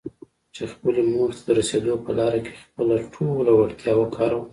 چې خپلې موخې ته د رسېدو په لاره کې خپله ټوله وړتيا وکاروم.